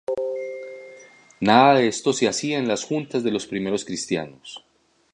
Nada de esto se hacía en las juntas de los primeros cristianos.